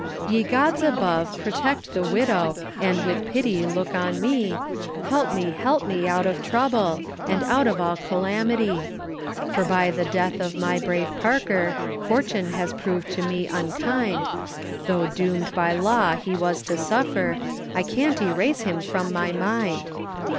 Ye Gods above protect the widow, And with pity look on me, Help me, help me out of trouble, And out of all calamity. For by the death of my brave Parker, Fortune has proved to me unkind, Tho' doom'd by law he was to suffer I can't erase him from my mind.